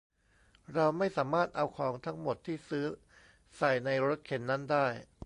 เราไม่สามารถเอาของทั้งหมดที่ซื้อใส่ในรถเข็นนั้นได้